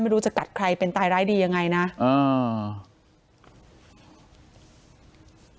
ไม่รู้จะกัดใครเป็นตายร้ายดียังไงนะอ่า